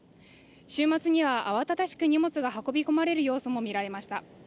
週末には慌ただしく荷物が運び込まれる様子も見られました。